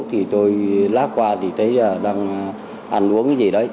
thì tôi lát qua thấy đang ăn uống gì đấy